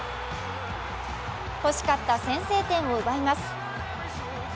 欲しかった先制点を奪います。